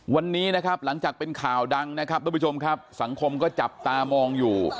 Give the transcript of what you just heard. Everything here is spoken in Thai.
วันนี้นะครับหลังจากเป็นข่าวดังนะครับทุกผู้ชมครับสังคมก็จับตามองอยู่